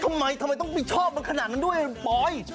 ทำไมทำไมต้องไปชอบมันขนาดนั้นด้วยปอย